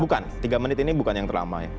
bukan tiga menit ini bukan yang terlama ya